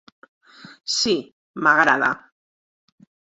Sí, m'agrada.